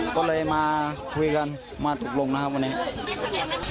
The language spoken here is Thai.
ก็เลยมาคุยกันมาตกลงนะครับวันนี้